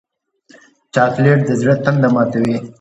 چاکلېټ د زړه تنده ماتوي.